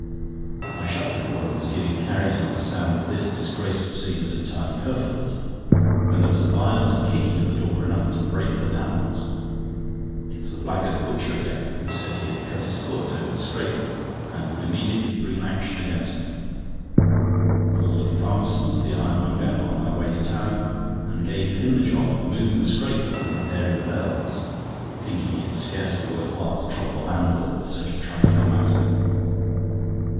I shut the door, and was giving Carrie to understand that this disgraceful scene was entirely her fault, when there was a violent kicking at the door, enough to break the panels. It was the blackguard butcher again, who said he had cut his foot over the scraper, and would immediately bring an action against me. Called at Farmerson's, the ironmonger, on my way to town, and gave him the job of moving the scraper and repairing the bells, thinking it scarcely worth while to trouble the landlord with such a trifling matter.